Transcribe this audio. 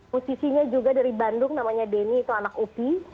musisinya juga dari bandung namanya denny itu anak upi